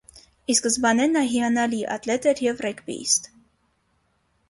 Ի սկզբանե նա հիանալի ատլետ էր և ռեգբիիստ։